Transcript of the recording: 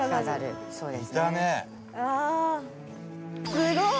すごい！